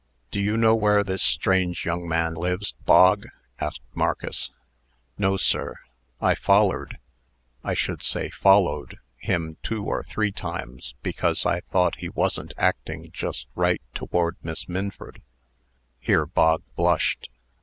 "Do you know where this strange young man lives, Bog?" asked Marcus. "No, sir. I follered I should say followed him two or three times, because I thought he wasn't acting just right toward Miss Minford (here Bog blushed).